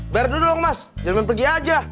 jangan pergi aja